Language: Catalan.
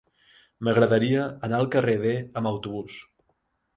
M'agradaria anar al carrer D amb autobús.